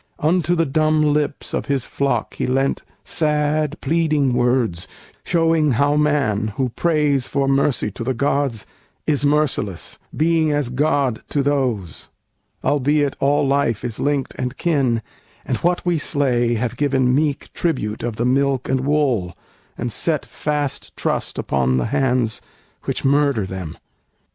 Unto the dumb lips of his flock he lent Sad, pleading words, showing how man, who prays For mercy to the gods, is merciless, Being as god to those; albeit all life Is linked and kin, and what we slay have given Meek tribute of the milk and wool, and set Fast trust upon the hands which murder them.